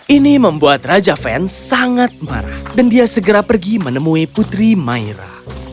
ini membuat raja van sangat marah dan dia segera pergi menemui putri maira